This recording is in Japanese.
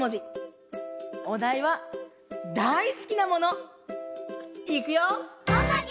おだいは「だいすきなもの」。いくよ！